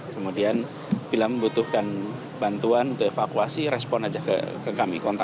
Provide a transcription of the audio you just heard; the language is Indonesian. kemudian bila membutuhkan bantuan untuk evakuasi respon aja ke kami kontak kami satu satu